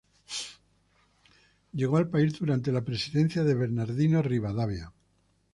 Llegó al país durante la presidencia de Bernardino Rivadavia.